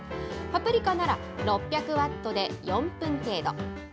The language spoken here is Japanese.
パプリカなら６００ワットで４分程度。